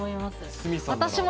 鷲見さんも。